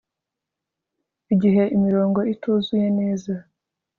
igihe imirongo ituzuye neza